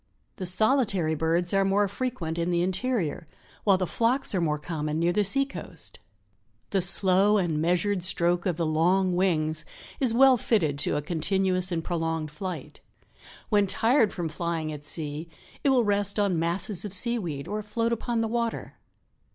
The solitary birds are more frequent in the interior, while the flocks are more common near the sea coast. The slow and measured stroke of the long wings is well fitted to a continuous and prolonged flight. When tired from flying at sea it will rest on masses of seaweed or float upon the water.